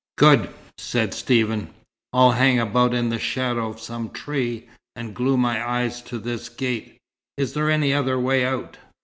"Good!" said Stephen. "I'll hang about in the shadow of some tree and glue my eye to this gate. Is there any other way out?"